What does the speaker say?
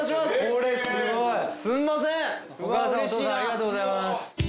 これすごい！お母さんお父さんありがとうございます。